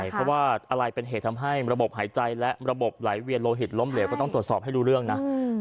เพราะว่าอะไรเป็นเหตุทำให้ระบบหายใจและระบบไหลเวียนโลหิตล้มเหลวก็ต้องตรวจสอบให้รู้เรื่องนะ